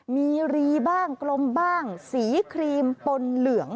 มีรีบ้างกลมบ้างสีครีมปนเหลือง